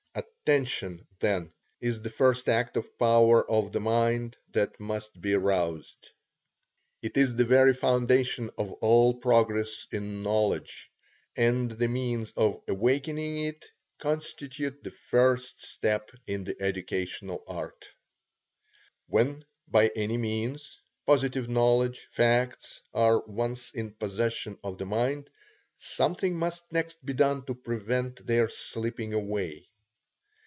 Attention, then, is the first act or power of the mind that must be roused. It is the very foundation of all progress in knowledge, and the means of awakening it constitute the first step in the educational art. When by any means, positive knowledge, facts, are once in possession of the mind, something must next be done to prevent their slipping away.